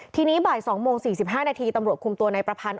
ทีนี้บ่าย๒โมง๔๕นาทีตำรวจคุมตัวนายประพันธ์